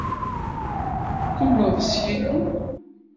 Tumneḍ s Yillu?